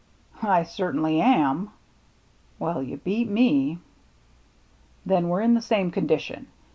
" I certainly am." " Well, you beat me." "Then we're in the same condition.